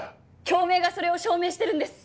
京明がそれを証明してるんです。